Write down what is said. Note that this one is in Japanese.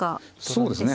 そうですね。